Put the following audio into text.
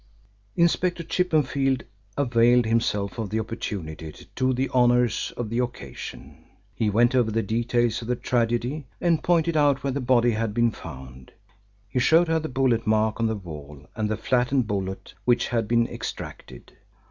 Inspector Chippenfield availed himself of the opportunity to do the honours of the occasion. He went over the details of the tragedy and pointed out where the body had been found. He showed her the bullet mark on the wall and the flattened bullet which had been extracted.